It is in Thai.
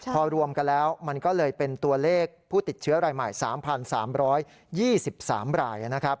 พอรวมกันแล้วมันก็เลยเป็นตัวเลขผู้ติดเชื้อรายใหม่๓๓๒๓รายนะครับ